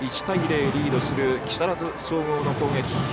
１対０、リードする木更津総合の攻撃。